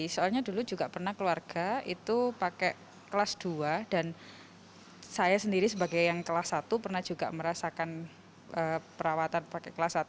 soalnya dulu juga pernah keluarga itu pakai kelas dua dan saya sendiri sebagai yang kelas satu pernah juga merasakan perawatan pakai kelas satu